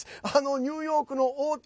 ニューヨークの大手